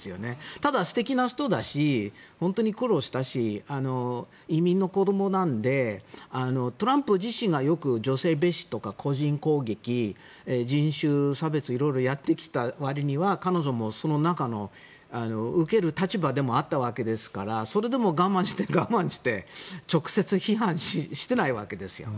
ただ、素敵な人だし本当に苦労したし移民の子どもなのでトランプ自身がよく女性蔑視とか個人攻撃、人種差別色々やってきたわりには彼女もその中の受ける立場でもあったわけですからそれでも我慢して我慢して直接批判してないわけですよ。